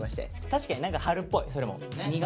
確かに何か春っぽいそれも。